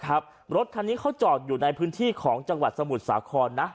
รถคันนี้เขาจอดอยู่ในพื้นที่ของจังหวัดสมุทรสาครนะ